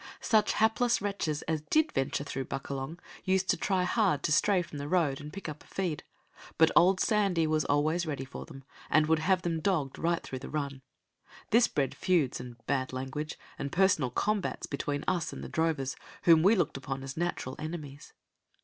Such hapless wretches as did venture through Buckalong used to try hard to stray from the road and pick up a feed, but old Sandy was always ready for them, and would have them dogged right through the run. This bred feuds, and bad language, and personal combats between us and the drovers, whom we looked upon as natural enemies.